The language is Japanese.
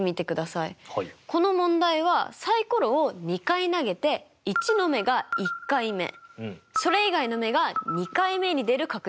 この問題はサイコロを２回投げて１の目が１回目それ以外の目が２回目に出る確率でしたよね。